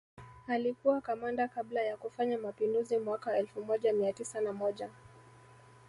Alikua kamanda kabla ya kufanya mapinduzi mwaka elfu moja mia tisa na moja